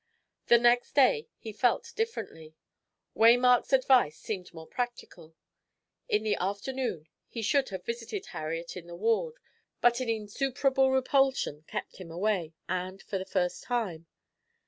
The next day he felt differently; Waymark's advice seemed more practical. In the afternoon he should have visited Harriet in the ward, but an insuperable repulsion kept him away, and for the first time.